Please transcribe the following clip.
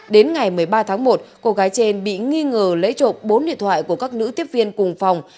đến ngày một mươi ba tháng một cô gái trên bị nghi ngờ lấy trộm bốn điện thoại của các nữ tiếp viên cùng phòng